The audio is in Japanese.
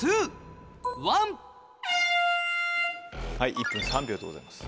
１分３秒でございます。